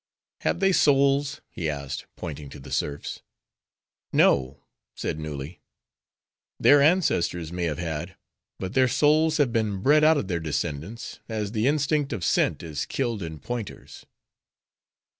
"Have they souls?" he asked, pointing to the serfs. "No," said Nulli, "their ancestors may have had; but their souls have been bred out of their descendants; as the instinct of scent is killed in pointers."